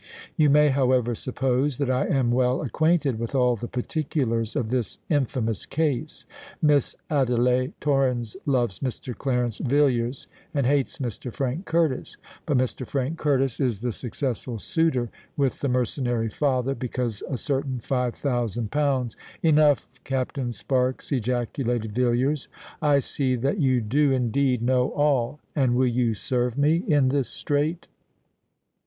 You may, however, suppose that I am well acquainted with all the particulars of this infamous case. Miss Adelais Torrens loves Mr. Clarence Villiers and hates Mr. Frank Curtis; but Mr. Frank Curtis is the successful suitor with the mercenary father, because a certain five thousand pounds——" "Enough, Captain Sparks!" ejaculated Villiers. "I see that you do indeed know all. And will you serve me in this strait?"